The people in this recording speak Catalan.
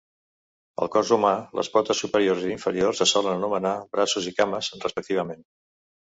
Al cos humà, les potes superiors i inferiors se solen anomenar braços i cames, respectivament.